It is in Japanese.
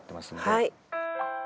はい。